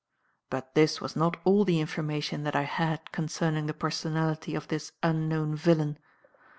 "But this was not all the information that I had concerning the personality of this unknown villain.